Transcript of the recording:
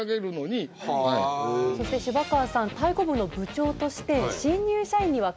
そして芝川さん太鼓部の部長としてすごいね。